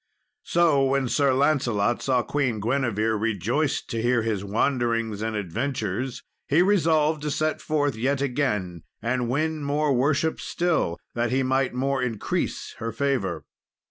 So, when Sir Lancelot saw Queen Guinevere rejoiced to hear his wanderings and adventures, he resolved to set forth yet again, and win more worship still, that he might more increase her favour.